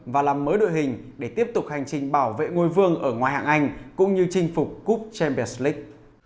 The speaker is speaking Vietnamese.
và làm mới đội hình để tiếp tục hành trình bảo vệ ngôi vương ở ngoài hạng anh cũng như chinh phục cup champions leage